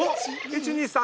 １２３。